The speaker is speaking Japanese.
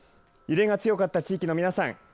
揺れが強かった地域の皆さん